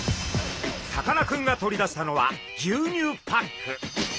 さかなクンが取り出したのは牛乳パック。